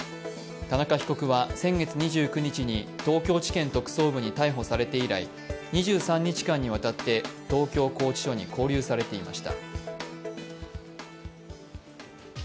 田中被告は先月２９日に東京地検特捜部に逮捕されて以来、２３日間にわたって東京拘置所に勾留されていました。